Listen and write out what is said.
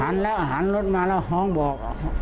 หันแล้วหันรถมาแล้วห้องบอก